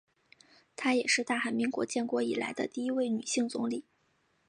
她也是大韩民国建国以来的第一位女性总理。